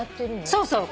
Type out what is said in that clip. そうそう。